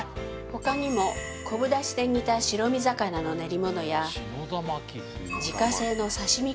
ほかにも昆布出汁で煮た白身魚の練り物や自家製の刺身